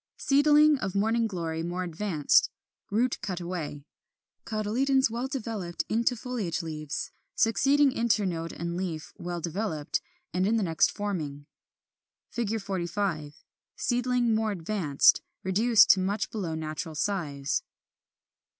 Seedling of Morning Glory more advanced (root cut away); cotyledons well developed into foliage leaves: succeeding internode and leaf well developed, and the next forming. 45. Seedling more advanced; reduced to much below natural size.